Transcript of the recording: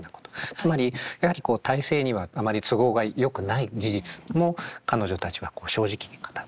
つまりやはりこう体制にはあまり都合がよくない事実も彼女たちは正直に語った。